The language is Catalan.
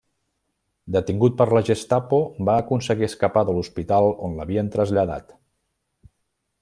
Detingut per la Gestapo, va aconseguir escapar de l'hospital on l'havien traslladat.